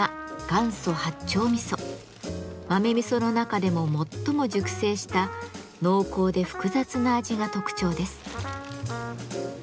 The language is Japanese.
豆味噌の中でも最も熟成した濃厚で複雑な味が特徴です。